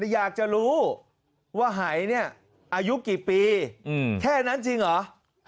อยากจะรู้ว่าหายเนี่ยอายุกี่ปีแค่นั้นจริงเหรอ